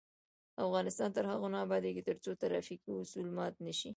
افغانستان تر هغو نه ابادیږي، ترڅو ترافیکي اصول مات نشي.